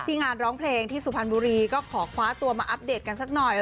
งานร้องเพลงที่สุพรรณบุรีก็ขอคว้าตัวมาอัปเดตกันสักหน่อย